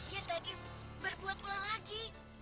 dia tadi berbuat ulah lagi